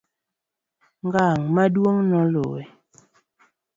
ng'ang' maduong' noluwe